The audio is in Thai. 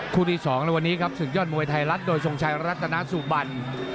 ที่๒ในวันนี้ครับศึกยอดมวยไทยรัฐโดยทรงชัยรัตนาสุบัน